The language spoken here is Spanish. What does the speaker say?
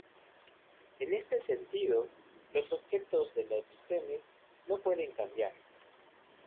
En este sentido, los objetos de la episteme no pueden cambiar.